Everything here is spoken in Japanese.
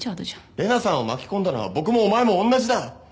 麗奈さんを巻き込んだのは僕もお前もおんなじだ。